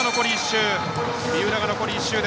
三浦が残り１周。